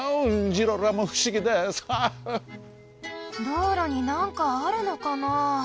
道路になんかあるのかな？